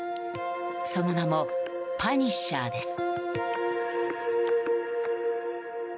その名もパニッシャーです。